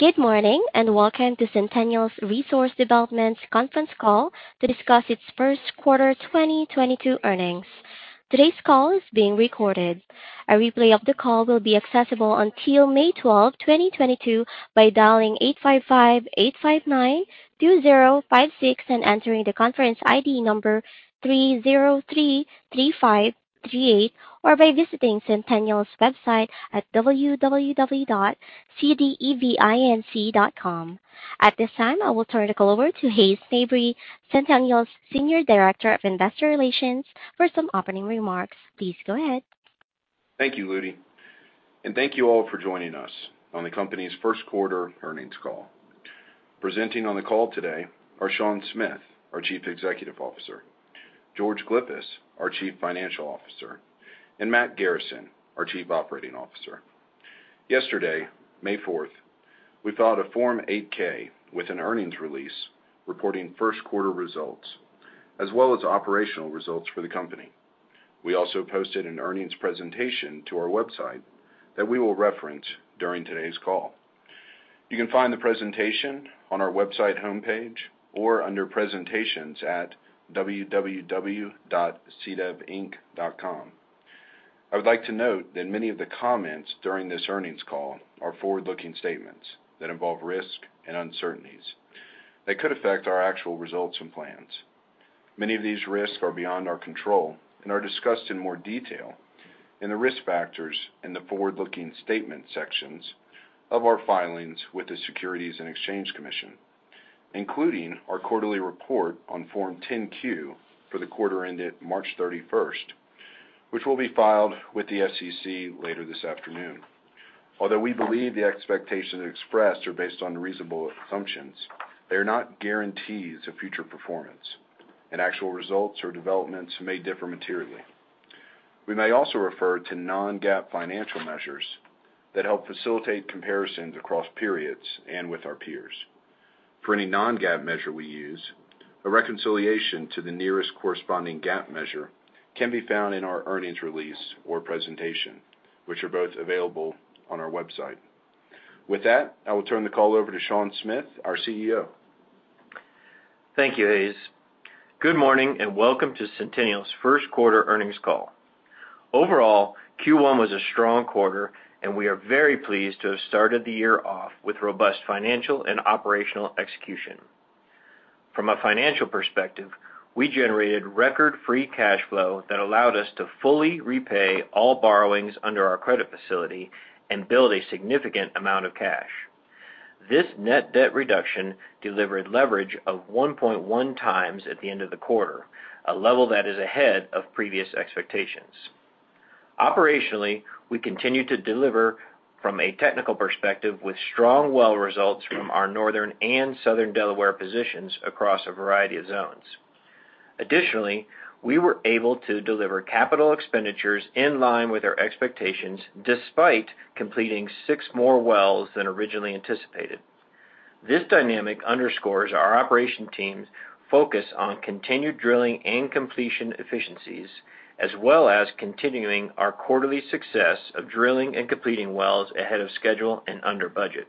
Good morning, and welcome to Centennial Resource Development's conference call to discuss its Q1 2022 earnings. Today's call is being recorded. A replay of the call will be accessible until May 12th, 2022 by dialing 855-859-2056 and entering the conference ID number 303538, or by visiting Centennial's website at www.cdevinc.com. At this time, I will turn the call over to Hays Mabry, Centennial's Senior Director of Investor Relations, for some opening remarks. Please go ahead. Thank you, Ludy, and thank you all for joining us on the company's first Q1 earnings call. Presenting on the call today are Sean Smith, our Chief Executive Officer, George Glyphis, our Chief Financial Officer, and Matt Garrison, our Chief Operating Officer. Yesterday, May fourth, we filed a Form 8-K with an earnings release reporting Q1 results as well as operational results for the company. We also posted an earnings presentation to our website that we will reference during today's call. You can find the presentation on our website homepage or under presentations at www.cdevinc.com. I would like to note that many of the comments during this earnings call are forward-looking statements that involve risk and uncertainties that could affect our actual results and plans. Many of these risks are beyond our control and are discussed in more detail in the Risk Factors and the Forward-Looking Statement sections of our filings with the Securities and Exchange Commission, including our quarterly report on Form 10-Q for the quarter ended March 31, which will be filed with the SEC later this afternoon. Although we believe the expectations expressed are based on reasonable assumptions, they are not guarantees of future performance, and actual results or developments may differ materially. We may also refer to non-GAAP financial measures that help facilitate comparisons across periods and with our peers. For any non-GAAP measure we use, a reconciliation to the nearest corresponding GAAP measure can be found in our earnings release or presentation, which are both available on our website. With that, I will turn the call over to Sean Smith, our CEO. Thank you, Hays. Good morning, and welcome to Centennial's Q1 earnings call. Overall, Q1 was a strong quarter, and we are very pleased to have started the year off with robust financial and operational execution. From a financial perspective, we generated record free cash flow that allowed us to fully repay all borrowings under our credit facility and build a significant amount of cash. This net debt reduction delivered leverage of 1.1x at the end of the quarter, a level that is ahead of previous expectations. Operationally, we continue to deliver from a technical perspective with strong well results from our Northern and Southern Delaware positions across a variety of zones. Additionally, we were able to deliver capital expenditures in line with our expectations despite completing six more wells than originally anticipated. This dynamic underscores our operation team's focus on continued drilling and completion efficiencies, as well as continuing our quarterly success of drilling and completing wells ahead of schedule and under budget.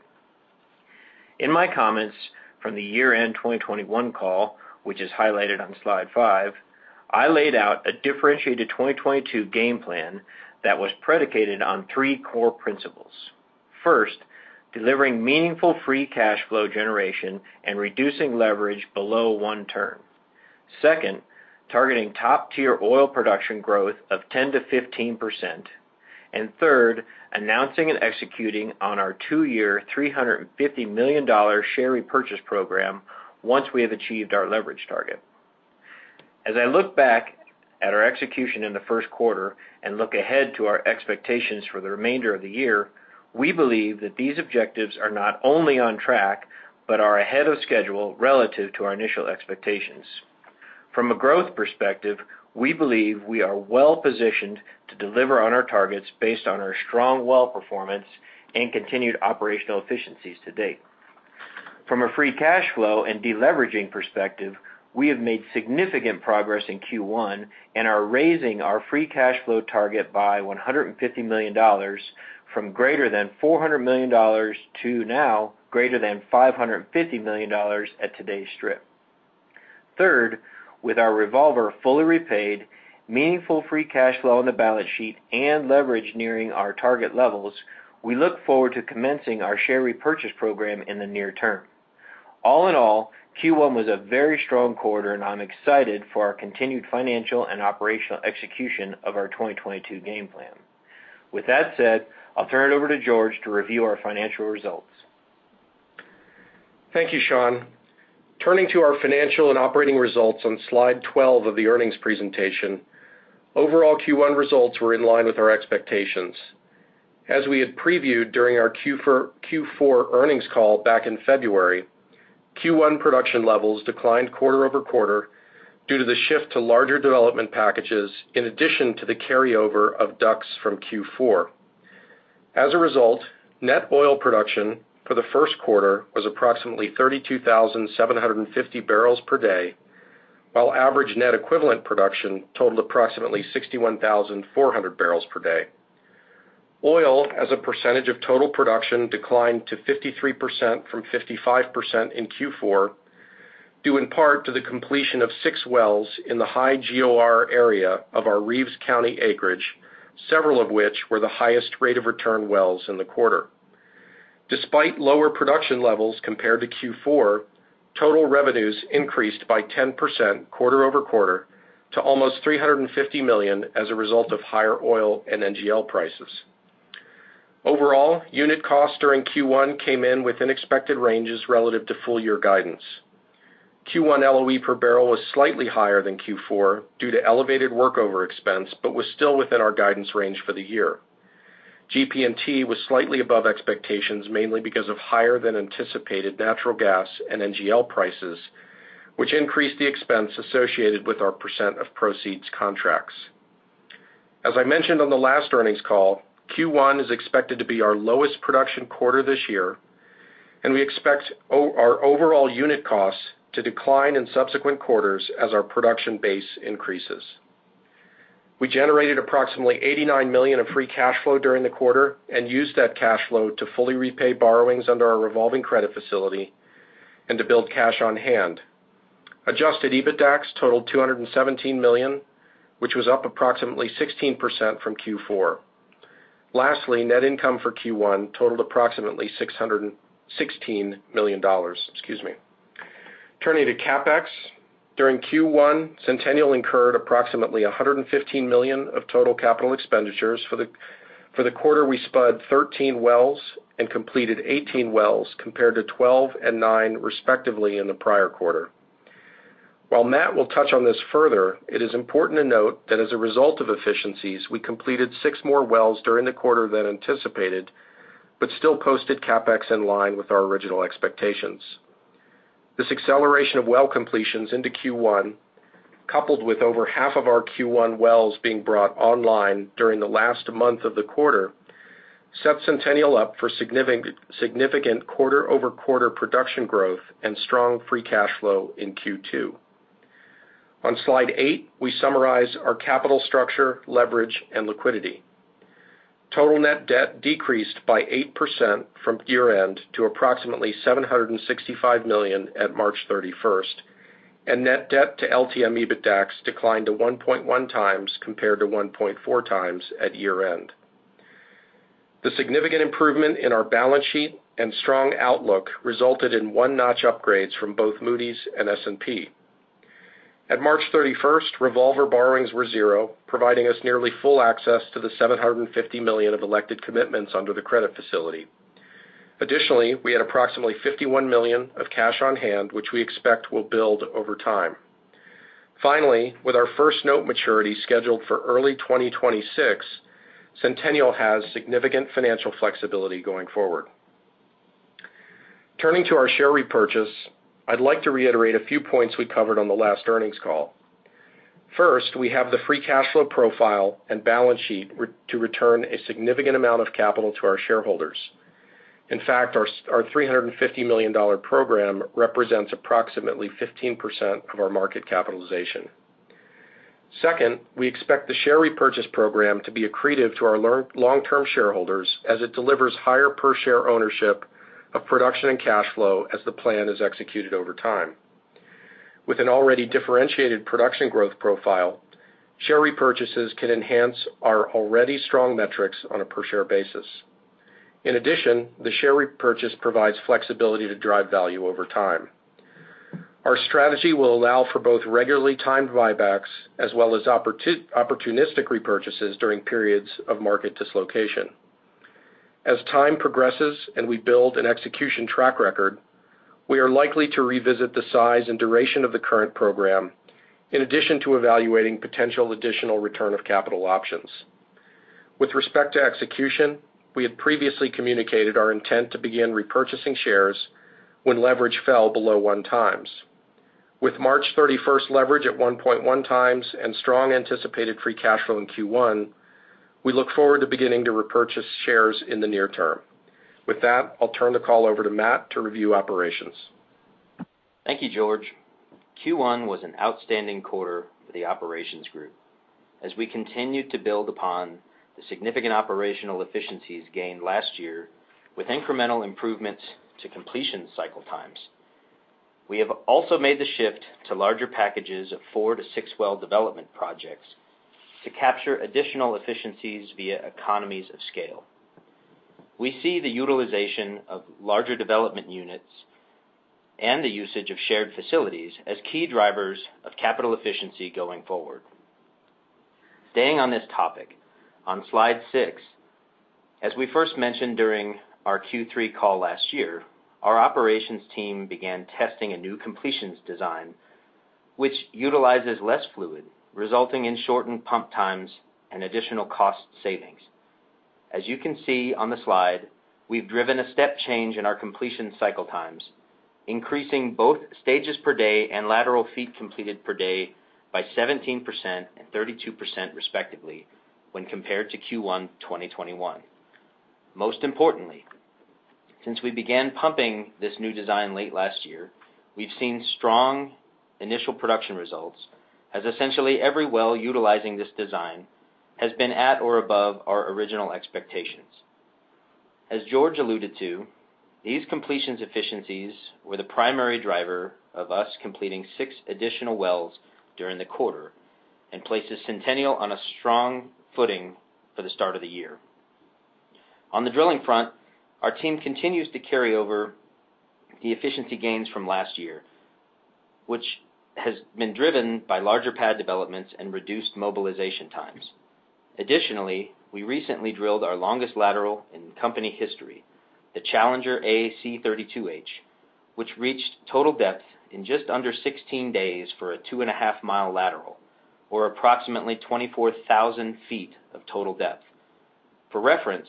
In my comments from the year-end 2021 call, which is highlighted on slide 5, I laid out a differentiated 2022 game plan that was predicated on 3 core principles. 1st, delivering meaningful free cash flow generation and reducing leverage below one turn. 2nd, targeting top-tier oil production growth of 10% to 15%. 3rd, announcing and executing on our 2 year $350 million share repurchase program once we have achieved our leverage target. As I look back at our execution in the Q1 and look ahead to our expectations for the remainder of the year, we believe that these objectives are not only on track but are ahead of schedule relative to our initial expectations. From a growth perspective, we believe we are well-positioned to deliver on our targets based on our strong well performance and continued operational efficiencies to date. From a free cash flow and deleveraging perspective, we have made significant progress in Q1 and are raising our free cash flow target by $150 million from greater than $400 million to now greater than $550 million at today's strip. Third, with our revolver fully repaid, meaningful free cash flow on the balance sheet, and leverage nearing our target levels, we look forward to commencing our share repurchase program in the near term. All in all, Q1 was a very strong quarter, and I'm excited for our continued financial and operational execution of our 2022 game plan. With that said, I'll turn it over to George to review our financial results. Thank you, Sean. Turning to our financial and operating results on slide 12 of the earnings presentation, overall Q1 results were in line with our expectations. As we had previewed during our Q4 earnings call back in February, Q1 production levels declined quarter-over-quarter due to the shift to larger development packages in addition to the carryover of DUCs from Q4. As a result, net oil production for the Q1 was approximately 32,750 barrels per day. While average net equivalent production totaled approximately 61,400 barrels per day. Oil as a percentage of total production declined to 53% from 55% in Q4, due in part to the completion of six wells in the high GOR area of our Reeves County acreage, several of which were the highest rate of return wells in the quarter. Despite lower production levels compared to Q4, total revenues increased by 10% quarter-over-quarter to almost $350 million as a result of higher oil and NGL prices. Overall, unit cost during Q1 came in within expected ranges relative to full-year guidance. Q1 LOE per barrel was slightly higher than Q4 due to elevated workover expense, but was still within our guidance range for the year. GP&T was slightly above expectations, mainly because of higher than anticipated natural gas and NGL prices, which increased the expense associated with our percent of proceeds contracts. As I mentioned on the last earnings call, Q1 is expected to be our lowest production quarter this year, and we expect our overall unit costs to decline in subsequent quarters as our production base increases. We generated approximately $89 million of free cash flow during the quarter and used that cash flow to fully repay borrowings under our revolving credit facility and to build cash on hand. Adjusted EBITDAX totaled $217 million, which was up approximately 16% from Q4. Lastly, net income for Q1 totaled approximately $616 million. Excuse me. Turning to CapEx. During Q1, Centennial incurred approximately $115 million of total capital expenditures. For the quarter, we spudded 13 wells and completed 18 wells, compared to 12 and 9 respectively in the prior quarter. While Matt will touch on this further, it is important to note that as a result of efficiencies, we completed 6 more wells during the quarter than anticipated, but still posted CapEx in line with our original expectations. This acceleration of well completions into Q1, coupled with over half of our Q1 wells being brought online during the last month of the quarter, sets Permian Resources up for significant quarter-over-quarter production growth and strong free cash flow in Q2. On slide 8, we summarize our capital structure, leverage and liquidity. Total net debt decreased by 8% from year-end to approximately $765 million at March 31st, and net debt to LTM EBITDAX declined to 1.1x compared to 1.4x at year-end. The significant improvement in our balance sheet and strong outlook resulted in one-notch upgrades from both Moody's and S&P. At March 31, revolver borrowings were 0, providing us nearly full access to the $750 million of elected commitments under the credit facility. Additionally, we had approximately $51 million of cash on hand, which we expect will build over time. Finally, with our 1st note maturity scheduled for early 2026, Centennial has significant financial flexibility going forward. Turning to our share repurchase, I'd like to reiterate a few points we covered on the last earnings call. 1st, we have the free cash flow profile and balance sheet to return a significant amount of capital to our shareholders. In fact, our $350 million program represents approximately 15% of our market capitalization. Second, we expect the share repurchase program to be accretive to our long-term shareholders as it delivers higher per share ownership of production and cash flow as the plan is executed over time. With an already differentiated production growth profile, share repurchases can enhance our already strong metrics on a per share basis. In addition, the share repurchase provides flexibility to drive value over time. Our strategy will allow for both regularly timed buybacks as well as opportunistic repurchases during periods of market dislocation. As time progresses and we build an execution track record, we are likely to revisit the size and duration of the current program in addition to evaluating potential additional return of capital options. With respect to execution, we have previously communicated our intent to begin repurchasing shares when leverage fell below 1x. With March 31st, leverage at 1.1x and strong anticipated free cash flow in Q1, we look forward to beginning to repurchase shares in the near term. With that, I'll turn the call over to Matt to review operations. Thank you, George. Q1 was an outstanding quarter for the operations group as we continued to build upon the significant operational efficiencies gained last year with incremental improvements to completion cycle times. We have also made the shift to larger packages of 4 to 6 well development projects to capture additional efficiencies via economies of scale. We see the utilization of larger development units and the usage of shared facilities as key drivers of capital efficiency going forward. Staying on this topic, on slide 6, as we first mentioned during our Q3 call last year, our operations team began testing a new completions design which utilizes less fluid, resulting in shortened pump times and additional cost savings. As you can see on the slide, we've driven a step change in our completion cycle times, increasing both stages per day and lateral feet completed per day by 17% and 32% respectively when compared to Q1 of 2021. Most importantly. Since we began pumping this new design late last year, we've seen strong initial production results as essentially every well utilizing this design has been at or above our original expectations. As George alluded to, these completions efficiencies were the primary driver of us completing 6 additional wells during the quarter and places Centennial on a strong footing for the start of the year. On the drilling front, our team continues to carry over the efficiency gains from last year, which has been driven by larger pad developments and reduced mobilization times. Additionally, we recently drilled our longest lateral in company history, the Challenger AC32H, which reached total depth in just under 16 days for a 2.5-mile lateral, or approximately 24,000 feet of total depth. For reference,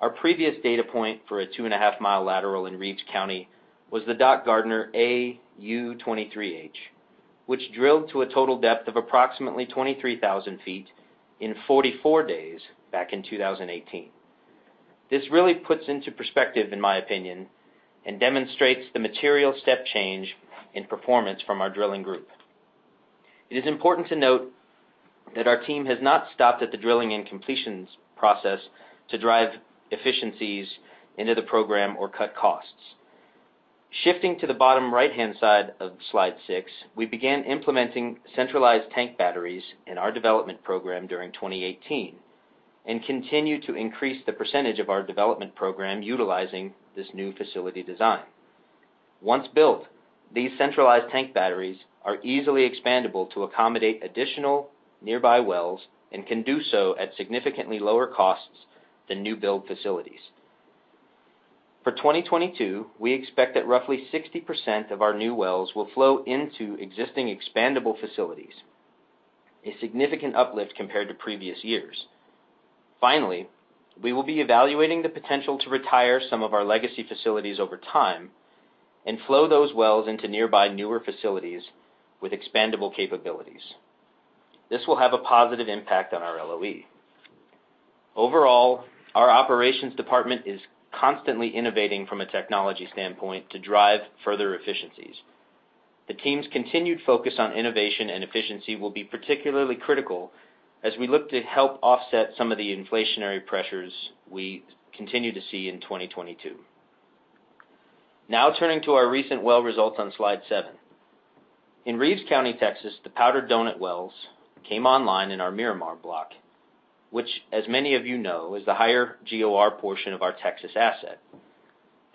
our previous data point for a 2.5-mile lateral in Reeves County was the Doc Gardner AU-23H, which drilled to a total depth of approximately 23,000 feet in 44 days back in 2018. This really puts into perspective, in my opinion, and demonstrates the material step change in performance from our drilling group. It is important to note that our team has not stopped at the drilling and completions process to drive efficiencies into the program or cut costs. Shifting to the bottom right-hand side of slide 6, we began implementing centralized tank batteries in our development program during 2018 and continue to increase the percentage of our development program utilizing this new facility design. Once built, these centralized tank batteries are easily expandable to accommodate additional nearby wells and can do so at significantly lower costs than new build facilities. For 2022, we expect that roughly 60% of our new wells will flow into existing expandable facilities, a significant uplift compared to previous years. Finally, we will be evaluating the potential to retire some of our legacy facilities over time and flow those wells into nearby newer facilities with expandable capabilities. This will have a positive impact on our LOE. Overall, our operations department is constantly innovating from a technology standpoint to drive further efficiencies. The team's continued focus on innovation and efficiency will be particularly critical as we look to help offset some of the inflationary pressures we continue to see in 2022. Now turning to our recent well results on slide 7. In Reeves County, Texas, the Powder Donut wells came online in our Miramar block, which as many of you know, is the higher GOR portion of our Texas asset.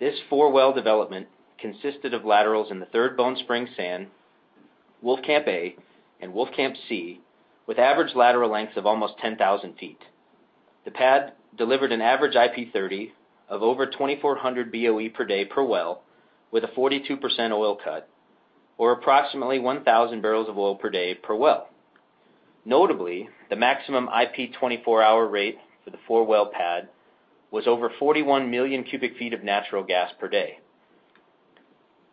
This 4-well development consisted of laterals in the 3rd Bone Spring sand, Wolfcamp A, and Wolfcamp C, with average lateral lengths of almost 10,000 feet. The pad delivered an average IP 30 of over 2,400 BOE per day per well with a 42% oil cut, or approximately 1,000 barrels of oil per day per well. Notably, the maximum IP 24-hour rate for the 4-well pad was over 41 million cubic feet of natural gas per day.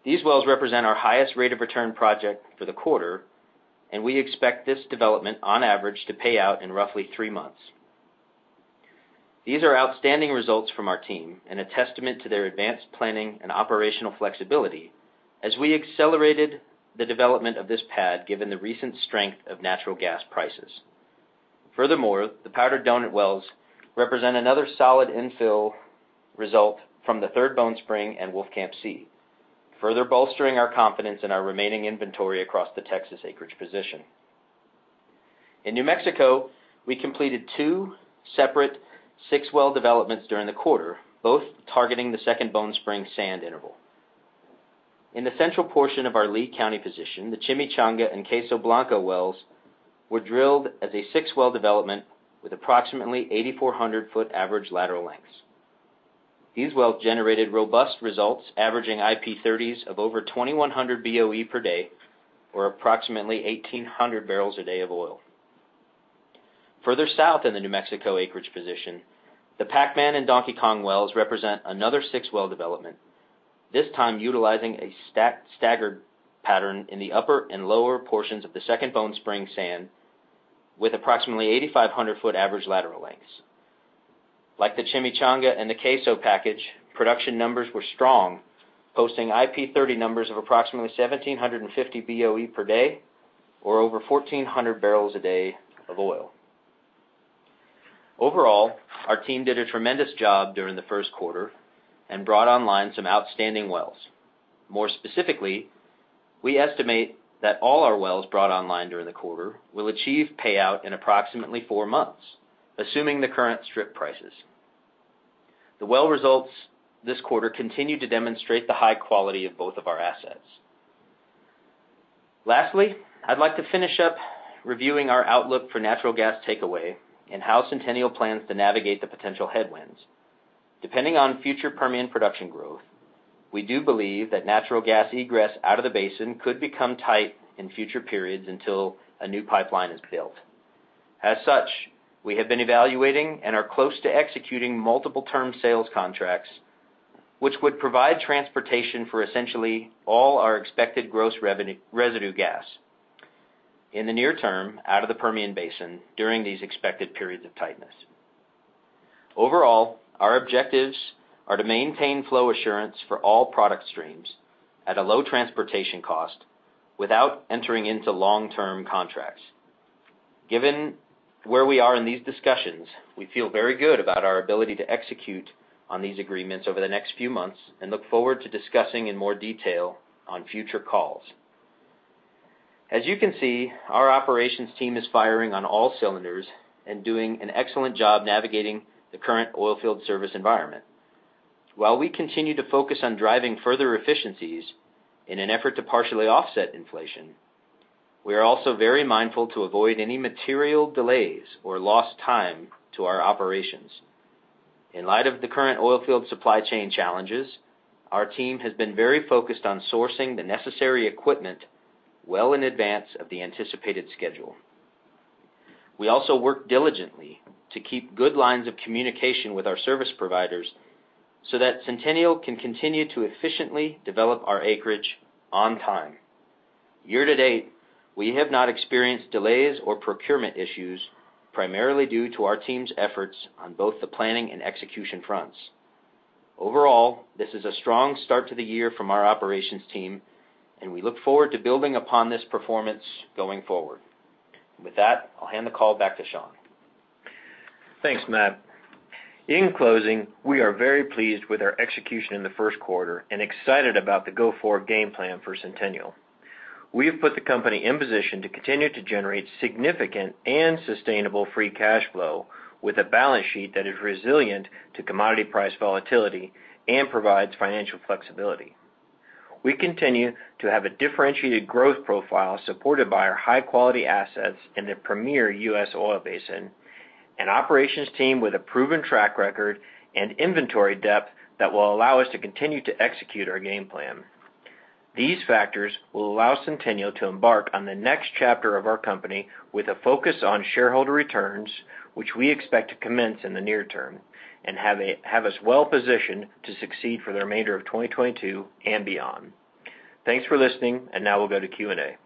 These wells represent our highest rate of return project for the quarter, and we expect this development on average to pay out in roughly 3 months. These are outstanding results from our team and a testament to their advanced planning and operational flexibility as we accelerated the development of this pad given the recent strength of natural gas prices. Furthermore, the Powder Donut wells represent another solid infill result from the 3rd Bone Spring and Wolfcamp C, further bolstering our confidence in our remaining inventory across the Texas acreage position. In New Mexico, we completed 2 separate six-well developments during the quarter, both targeting the Second Bone Spring sand interval. In the central portion of our Lea County position, the Chimichanga and Queso Blanco wells were drilled as a six-well development with approximately 8,400-foot average lateral lengths. These wells generated robust results averaging IP 30s of over 2,100 BOE per day or approximately 1,800 barrels a day of oil. Further south in the New Mexico acreage position, the Pac-Man and Donkey Kong wells represent another 6-well development, this time utilizing a staggered pattern in the upper and lower portions of the Second Bone Spring sand with approximately 8,500-foot average lateral lengths. Like the Chimichanga and the Queso package, production numbers were strong, posting IP 30 numbers of approximately 1,750 BOE per day, or over 1,400 barrels a day of oil. Overall, our team did a tremendous job during the Q1 and brought online some outstanding wells. More specifically, we estimate that all our wells brought online during the quarter will achieve payout in approximately 4 months, assuming the current strip prices. The well results this quarter continue to demonstrate the high quality of both of our assets. Lastly, I'd like to finish up reviewing our outlook for natural gas takeaway and how Centennial plans to navigate the potential headwinds. Depending on future Permian production growth, we do believe that natural gas egress out of the Basin could become tight in future periods until a new pipeline is built. As such, we have been evaluating and are close to executing multiple term sales contracts, which would provide transportation for essentially all our expected gross residue gas in the near term out of the Permian Basin during these expected periods of tightness. Overall, our objectives are to maintain flow assurance for all product streams at a low transportation cost without entering into long-term contracts. Given where we are in these discussions, we feel very good about our ability to execute on these agreements over the next few months and look forward to discussing in more detail on future calls. As you can see, our operations team is firing on all cylinders and doing an excellent job navigating the current oilfield service environment. While we continue to focus on driving further efficiencies in an effort to partially offset inflation, we are also very mindful to avoid any material delays or lost time to our operations. In light of the current oilfield supply chain challenges, our team has been very focused on sourcing the necessary equipment well in advance of the anticipated schedule. We also work diligently to keep good lines of communication with our service providers so that Permian Resources can continue to efficiently develop our acreage on time. Year to date, we have not experienced delays or procurement issues, primarily due to our team's efforts on both the planning and execution fronts. Overall, this is a strong start to the year from our operations team, and we look forward to building upon this performance going forward. With that, I'll hand the call back to Sean. Thanks, Matt. In closing, we are very pleased with our execution in the Q1 and excited about the go-forward game plan for Centennial. We have put the company in position to continue to generate significant and sustainable free cash flow with a balance sheet that is resilient to commodity price volatility and provides financial flexibility. We continue to have a differentiated growth profile supported by our high-quality assets in the premier US oil basin, an operations team with a proven track record and inventory depth that will allow us to continue to execute our game plan. These factors will allow Centennial to embark on the next chapter of our company with a focus on shareholder returns, which we expect to commence in the near term and have us well positioned to succeed for the remainder of 2022 and beyond. Thanks for listening, and now we'll go to Q&A.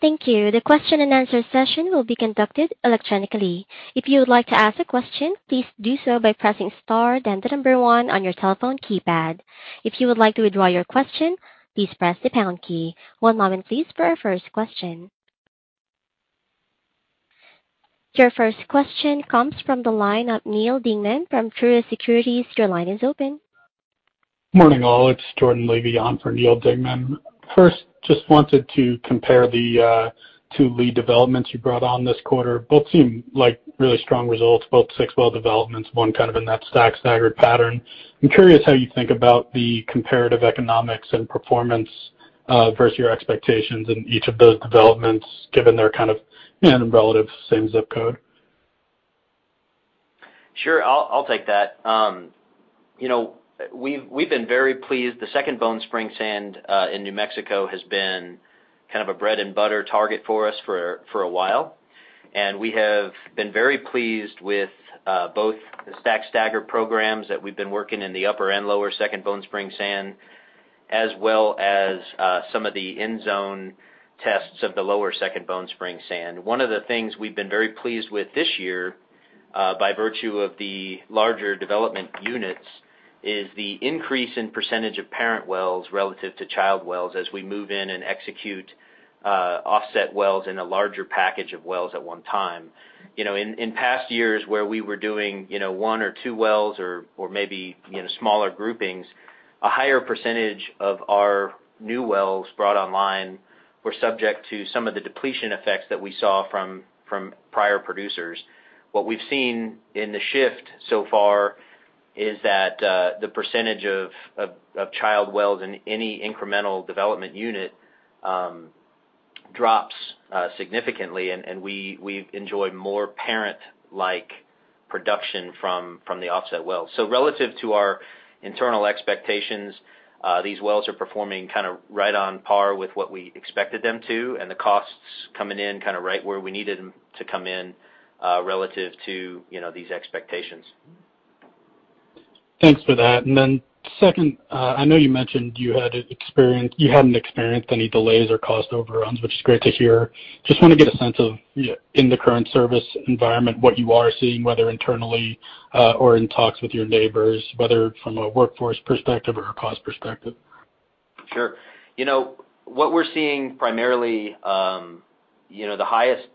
Thank you. The question-and-answer session will be conducted electronically. If you would like to ask a question, please do so by pressing star then the number 1 on your telephone keypad. If you would like to withdraw your question, please press the pound key. One moment please for our first question. Your first question comes from the line of Neal Dingmann from Truist Securities. Your line is open. Morning all. It's Jordan Lavigne for Neal Dingmann. 1st, just wanted to compare the 2 lead developments you brought on this quarter. Both seem like really strong results, both 6 well developments, one kind of in that stack staggered pattern. I'm curious how you think about the comparative economics and performance versus your expectations in each of those developments, given they're kind of in relatively same zip code. Sure. I'll take that. You know, we've been very pleased. The 2nd Bone Spring Sand in New Mexico has been kind of a bread-and-butter target for us for a while. We have been very pleased with both the stack stagger programs that we've been working in the upper and lower 2nd Bone Spring Sand, as well as some of the end zone tests of the lower 2nd Bone Spring Sand. One of the things we've been very pleased with this year, by virtue of the larger development units, is the increase in percentage of parent wells relative to child wells as we move in and execute offset wells in a larger package of wells at one time. You know, in past years where we were doing, you know, 1 or 2 wells or maybe, you know, smaller groupings, a higher percentage of our new wells brought online were subject to some of the depletion effects that we saw from prior producers. What we've seen in the shift so far is that the percentage of child wells in any incremental development unit drops significantly, and we've enjoyed more parent-like production from the offset wells. Relative to our internal expectations, these wells are performing kind of right on par with what we expected them to, and the costs coming in kind of right where we needed them to come in, relative to, you know, these expectations. Thanks for that. 2nd, I know you mentioned you hadn't experienced any delays or cost overruns, which is great to hear. Just want to get a sense of, you know, in the current service environment, what you are seeing, whether internally, or in talks with your neighbors, whether from a workforce perspective or a cost perspective. Sure. You know, what we're seeing primarily, you know, the highest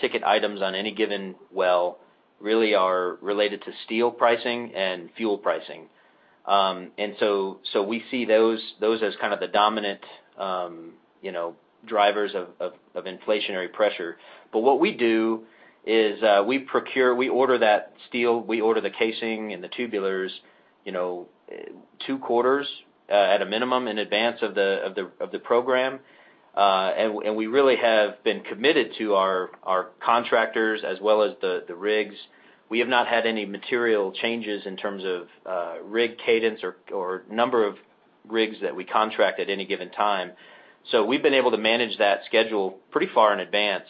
ticket items on any given well really are related to steel pricing and fuel pricing. We see those as kind of the dominant, you know, drivers of inflationary pressure. What we do is, we procure, we order that steel, we order the casing and the tubulars, you know, 2 quarters at a minimum in advance of the program. We really have been committed to our contractors as well as the rigs. We have not had any material changes in terms of rig cadence or number of rigs that we contract at any given time. We've been able to manage that schedule pretty far in advance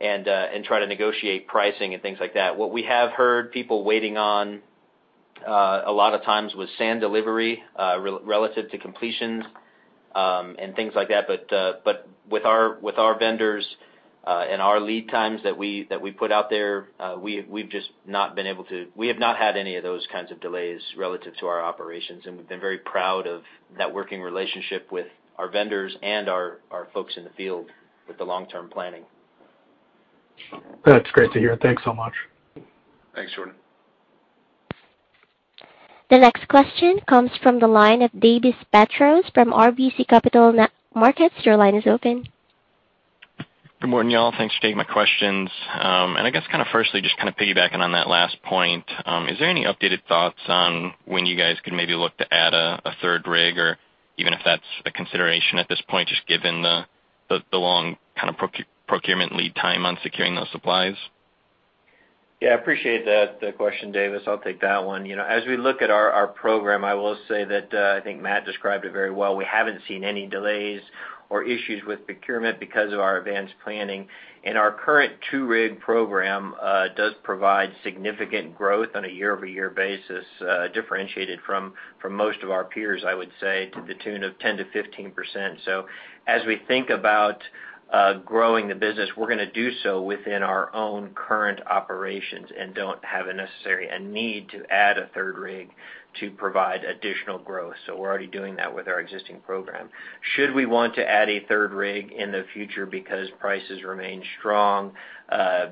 and try to negotiate pricing and things like that. What we have heard people waiting on A lot of times with sand delivery, relative to completions, and things like that. With our vendors and our lead times that we put out there, we have not had any of those kinds of delays relative to our operations, and we've been very proud of that working relationship with our vendors and our folks in the field with the long-term planning. That's great to hear. Thanks so much. Thanks, Jordan. The next question comes from the line of Davis Petros from RBC Capital Markets. Your line is open. Good morning, y'all. Thanks for taking my questions. I guess, kind firstly, just kind piggybacking on that last point, is there any updated thoughts on when you guys could maybe look to add a third rig, or even if that's a consideration at this point, just given the long kind of procurement lead time on securing those supplies? Yeah, I appreciate that, the question, Davis. I'll take that one. You know, as we look at our program, I will say that, I think Matt described it very well. We haven't seen any delays or issues with procurement because of our advanced planning. Our current 2-rig program does provide significant growth on a year-over-year basis, differentiated from most of our peers, I would say, to the tune of 10% to 15%. As we think about growing the business, we're going to do so within our own current operations and don't have a necessary need to add a 3rd rig to provide additional growth. We're already doing that with our existing program. Should we want to add a 3rd rig in the future because prices remain strong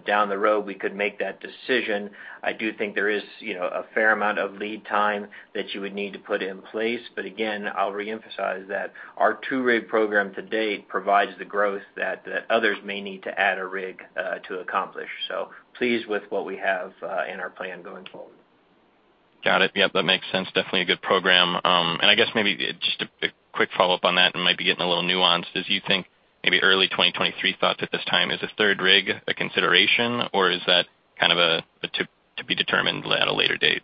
down the road, we could make that decision. I do think there is, you know, a fair amount of lead time that you would need to put in place. Again, I'll reemphasize that our two-rig program to date provides the growth that others may need to add a rig, to accomplish. Pleased with what we have, in our plan going forward. Got it. Yep, that makes sense. Definitely a good program. I guess maybe just a quick follow-up on that and might be getting a little nuanced. As you think maybe early 2023 thoughts at this time, is a third rig a consideration, or is that kind of a to be determined at a later date?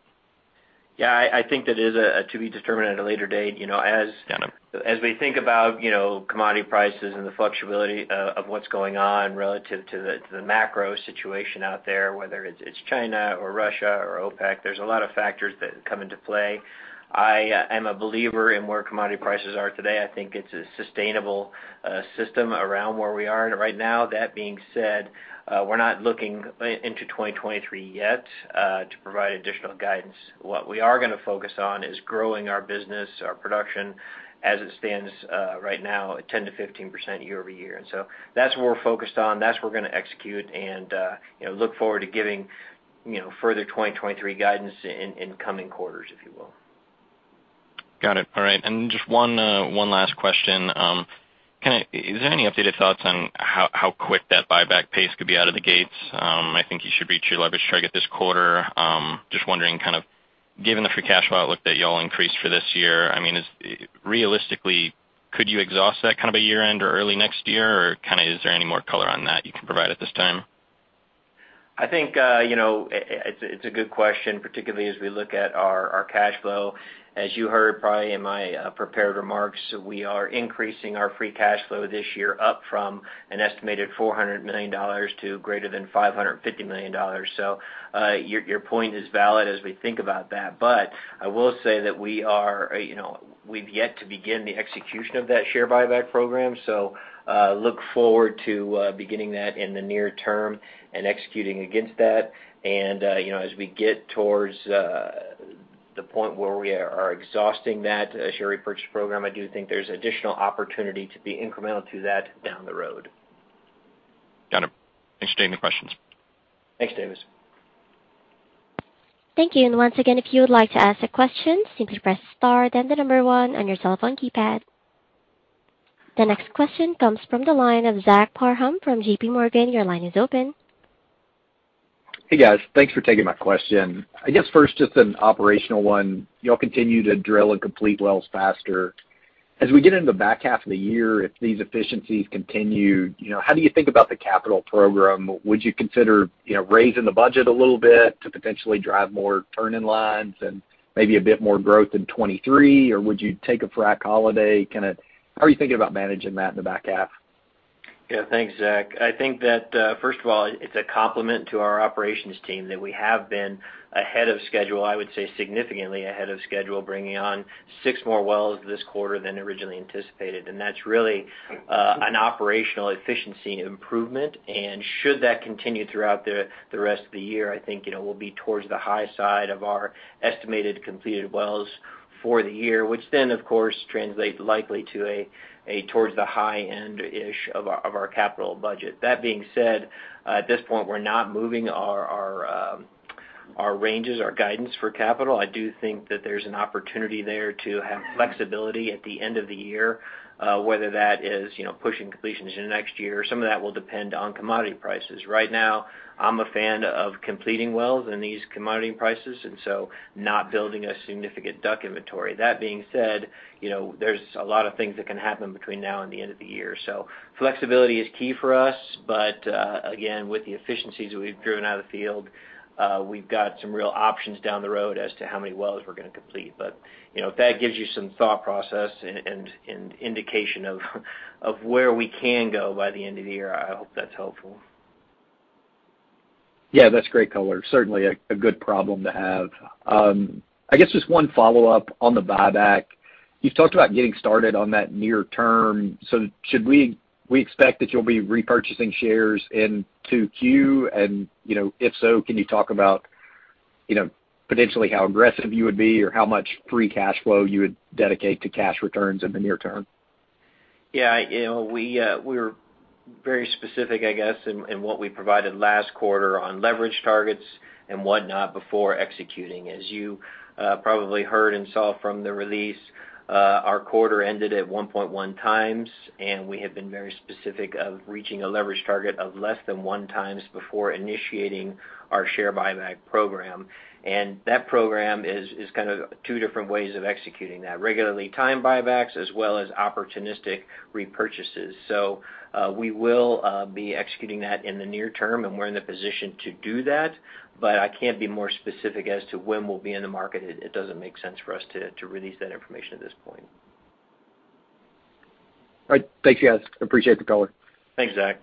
Yeah, I think that is a to be determined at a later date. You know, as Got it. As we think about, you know, commodity prices and the flexibility of what's going on relative to the macro situation out there, whether it's China or Russia or OPEC, there's a lot of factors that come into play. I am a believer in where commodity prices are today. I think it's a sustainable system around where we are right now. That being said, we're not looking into 2023 yet to provide additional guidance. What we are going to focus on is growing our business, our production as it stands right now at 10% to 15% year-over-year. That's where we're focused on. That's what we're going to execute and, you know, look forward to giving, you know, further 2023 guidance in coming quarters, if you will. Got it. All right. Just one last question. Is there any updated thoughts on how quick that buyback pace could be out of the gates? I think you should reach your leverage target this quarter. Just wondering kind of given the free cash flow outlook that y'all increased for this year, I mean, is realistically could you exhaust that kind of a year-end or early next year, or kind is there any more color on that you can provide at this time? I think you know it's a good question, particularly as we look at our cash flow. As you heard probably in my prepared remarks, we are increasing our free cash flow this year up from an estimated $400 million to greater than $550 million. Your point is valid as we think about that. I will say that we you know we've yet to begin the execution of that share buyback program, so look forward to beginning that in the near term and executing against that. You know as we get towards the point where we are exhausting that share repurchase program, I do think there's additional opportunity to be incremental to that down the road. Got it. Thanks for taking the questions. Thanks, Davis. Thank you. Once again, if you would like to ask a question, simply press star then the number 1 on your cell phone keypad. The next question comes from the line of Zach Parham from JPMorgan, your line is open. Hey, guys. Thanks for taking my question. I guess first just an operational one. You all continue to drill and complete wells faster. As we get into the back half of the year, if these efficiencies continue, you know, how do you think about the capital program? Would you consider, you know, raising the budget a little bit to potentially drive more turn-in-lines and maybe a bit more growth in 2023, or would you take a frack holiday kind? How are you thinking about managing that in the back half? Yeah. Thanks, Zach. I think that first of all, it's a compliment to our operations team that we have been ahead of schedule, I would say significantly ahead of schedule, bringing on 6 more wells this quarter than originally anticipated. That's really an operational efficiency improvement. Should that continue throughout the rest of the year, I think we'll be towards the high side of our estimated completed wells for the year, which then of course translate likely to a towards the high end-is of our capital budget. That being said, at this point, we're not moving our ranges, our guidance for capital. I do think that there's an opportunity there to have flexibility at the end of the year, whether that is pushing completions into next year. Some of that will depend on commodity prices. Right now, I'm a fan of completing wells in these commodity prices, and so not building a significant DUC inventory. That being said, you know, there's a lot of things that can happen between now and the end of the year. Flexibility is key for us. Again, with the efficiencies we've driven out of the field, we've got some real options down the road as to how many wells we're going to complete. You know, if that gives you some thought process and indication of where we can go by the end of the year, I hope that's helpful. Yeah, that's great color. Certainly a good problem to have. I guess just one follow-up on the buyback. You've talked about getting started on that near term, so should we expect that you'll be repurchasing shares into Q? You know, if so, can you talk about, you know, potentially how aggressive you would be or how much free cash flow you would dedicate to cash returns in the near term? Yeah. You know, we were very specific, I guess, in what we provided last quarter on leverage targets and whatnot before executing. As you probably heard and saw from the release, our quarter ended at 1.1x, and we have been very specific of reaching a leverage target of less than 1x before initiating our share buyback program. That program is kind of two different ways of executing that, regularly timed buybacks as well as opportunistic repurchases. We will be executing that in the near term, and we're in the position to do that, but I can't be more specific as to when we'll be in the market. It doesn't make sense for us to release that information at this point. All right. Thanks, guys. Appreciate the color. Thanks, Zach.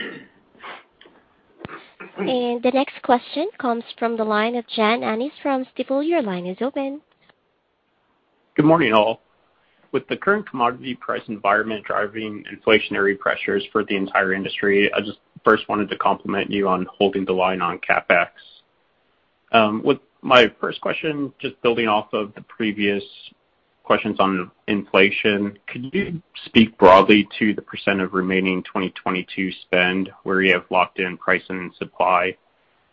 The next question comes from the line of John Annis from Stifel. Your line is open. Good morning, all. With the current commodity price environment driving inflationary pressures for the entire industry, I just 1st wanted to compliment you on holding the line on CapEx. With my 1st question, just building off of the previous questions on inflation, could you speak broadly to the % of remaining 2022 spend where you have locked in price and supply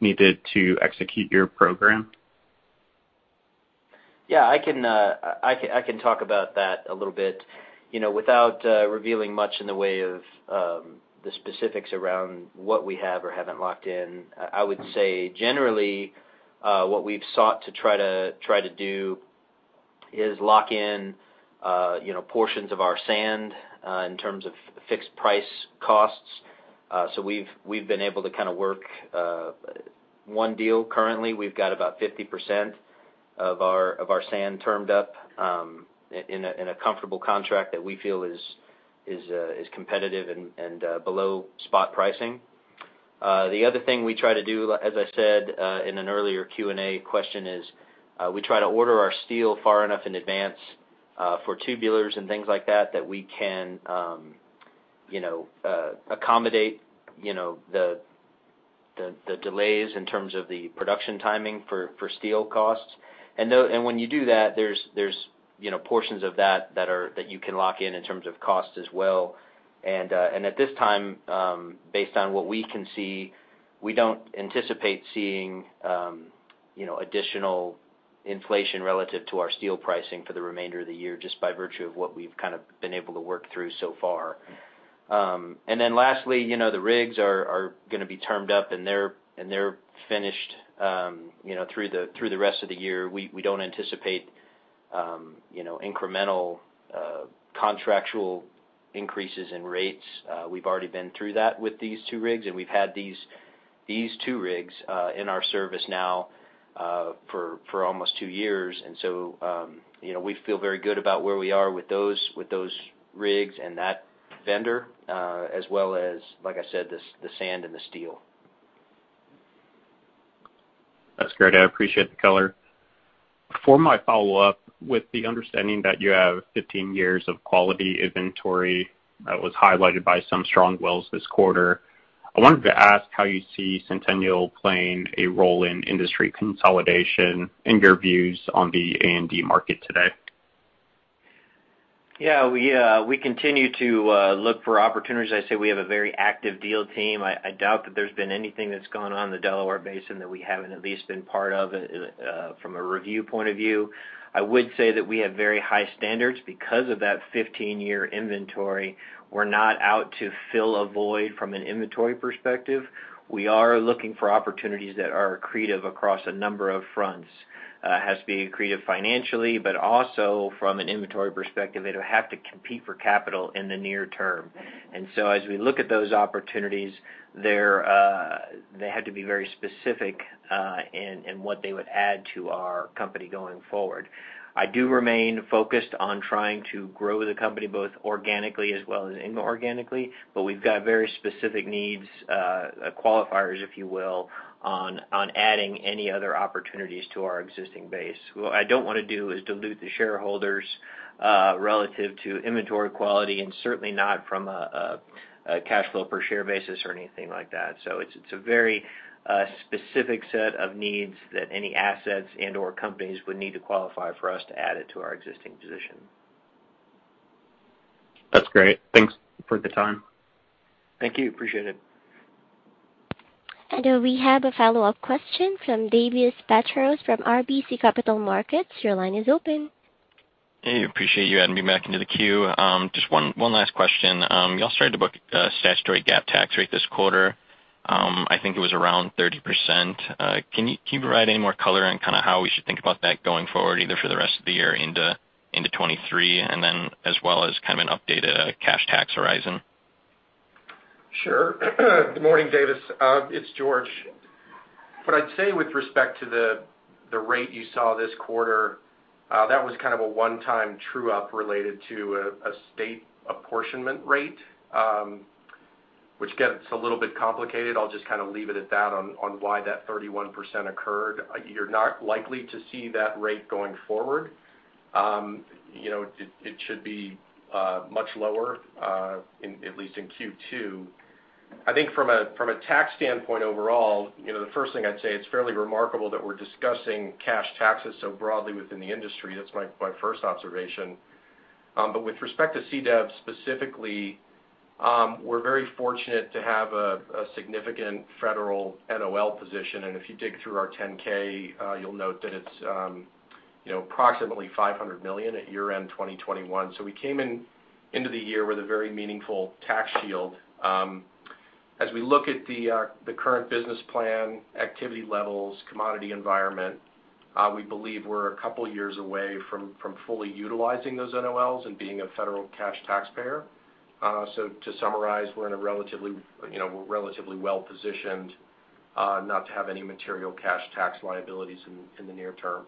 needed to execute your program? Yeah, I can talk about that a little bit. You know, without revealing much in the way of the specifics around what we have or haven't locked in, I would say generally what we've sought to try to do is lock in you know portions of our sand in terms of fixed price costs. So we've been able to kind work one deal currently. We've got about 50% of our sand termed up in a comfortable contract that we feel is competitive and below spot pricing. The other thing we try to do, as I said, in an earlier Q&A question, is we try to order our steel far enough in advance for tubulars and things like that that we can you know accommodate you know the delays in terms of the production timing for steel costs. When you do that, there's you know portions of that that you can lock in in terms of cost as well. At this time, based on what we can see, we don't anticipate seeing you know additional inflation relative to our steel pricing for the remainder of the year, just by virtue of what we've kind of been able to work through so far. Then lastly, you know, the rigs are going to be termed up, and they're finished, you know, through the rest of the year. We don't anticipate, you know, incremental contractual increases in rates. We've already been through that with these two rigs, and we've had these 2 rigs in our service now for almost 2 years. You know, we feel very good about where we are with those rigs and that vendor, as well as, like I said, the sand and the steel. That's great. I appreciate the color. For my follow-up, with the understanding that you have 15 years of quality inventory that was highlighted by some strong wells this quarter, I wanted to ask how you see Centennial playing a role in industry consolidation and your views on the A&D market today. Yeah. We continue to look for opportunities. I'd say we have a very active deal team. I doubt that there's been anything that's gone on in the Delaware Basin that we haven't at least been part of from a review point of view. I would say that we have very high standards. Because of that 15-year inventory, we're not out to fill a void from an inventory perspective. We are looking for opportunities that are accretive across a number of fronts. It has to be accretive financially, but also from an inventory perspective. They don't have to compete for capital in the near term. We look at those opportunities, they have to be very specific in what they would add to our company going forward. I do remain focused on trying to grow the company, both organically as well as inorganically, but we've got very specific needs, qualifiers, if you will, on adding any other opportunities to our existing base. What I don't want to do is dilute the shareholders, relative to inventory quality, and certainly not from a cash flow per share basis or anything like that. It's a very specific set of needs that any assets and/or companies would need to qualify for us to add it to our existing position. That's great. Thanks for the time. Thank you. Appreciate it. We have a follow-up question from Davis Petros from RBC Capital Markets. Your line is open. Hey, appreciate you adding me back into the queue. Just one last question. Y'all started to book a statutory GAAP tax rate this quarter. I think it was around 30%. Can you provide any more color on kind how we should think about that going forward, either for the rest of the year into 2023, and then as well as kind of an updated cash tax horizon? Sure. Good morning, Davis. It's George. I'd say with respect to the rate you saw this quarter, that was kind of a one-time true-up related to a state apportionment rate, which gets a little bit complicated. I'll just kind leave it at that on why that 31% occurred. You're not likely to see that rate going forward. It should be much lower, at least in Q2. I think from a tax standpoint overall, you know, the first thing I'd say, it's fairly remarkable that we're discussing cash taxes so broadly within the industry. That's my 1st observation. With respect to CDEV specifically, we're very fortunate to have a significant federal NOL position. If you dig through our 10-K, you'll note that it's, you know, approximately $500 million at year-end 2021. We came into the year with a very meaningful tax shield. As we look at the current business plan, activity levels, commodity environment, we believe we're a couple years away from fully utilizing those NOLs and being a federal cash taxpayer. To summarize, you know, we're relatively well-positioned not to have any material cash tax liabilities in the near term.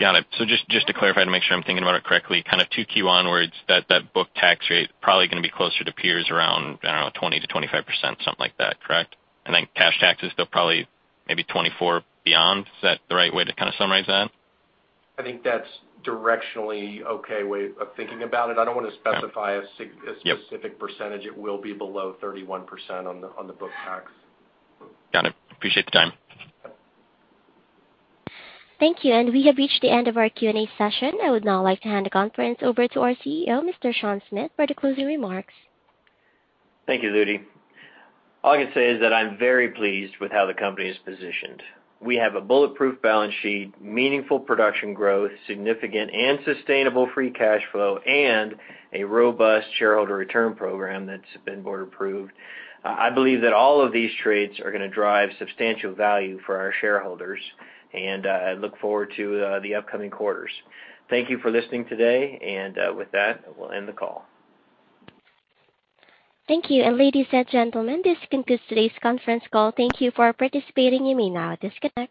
Got it. Just to clarify, to make sure I'm thinking about it correctly, kind of 2Q onwards, that book tax rate probably going to be closer to peers around, I don't know, 20% to 25%, something like that, correct? Then cash taxes, they'll probably maybe 2024 beyond. Is that the right way to kind summarize that? I think that's directionally okay way of thinking about it. I don't wanna specify. Yep. A specific percentage. It will be below 31% on the book tax. Got it. Appreciate the time. Thank you. We have reached the end of our Q&A session. I would now like to hand the conference over to our CEO, Mr. Sean Smith, for the closing remarks. Thank you, Ludy. All I can say is that I'm very pleased with how the company is positioned. We have a bulletproof balance sheet, meaningful production growth, significant and sustainable free cash flow, and a robust shareholder return program that's been board approved. I believe that all of these trades are going to drive substantial value for our shareholders, and I look forward to the upcoming quarters. Thank you for listening today, and with that, we'll end the call. Thank you. Ladies and gentlemen, this concludes today's conference call. Thank you for participating. You may now disconnect.